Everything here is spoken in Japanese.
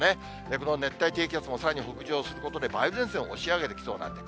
この熱帯低気圧もさらに北上することで、梅雨前線を押し上げてきそうなんです。